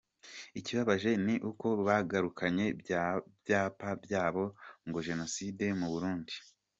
Ikibabaje ni uko bagarukanye bya byapa byabo ngo Jenoside mu Burundi”.